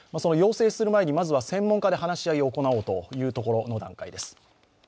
要請する前にまずは専門家で話し合いを行おうという段階です。